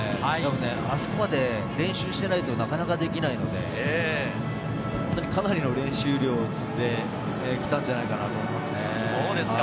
あそこまで練習していないと、なかなかできないので、かなりの練習量を積んできたんじゃないかなと思いますね。